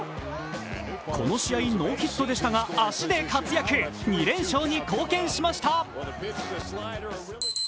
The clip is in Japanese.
この試合、ノーヒットでしたが、足で活躍、２連勝に貢献しました。